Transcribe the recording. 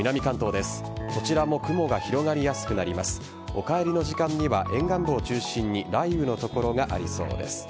お帰りの時間には沿岸部を中心に雷雨の所がありそうです。